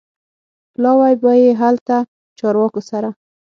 پلاوی به یې هلته چارواکو سره